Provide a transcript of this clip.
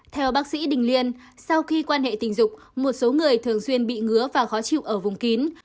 theo bác sĩ đình liên sau khi quan hệ tình dục một số người thường xuyên bị ngứa và khó chịu ở vùng kín